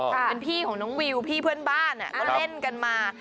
เป็นพี่ของน้องวิวพี่เพื่อนบ้านก็เล่นกันมา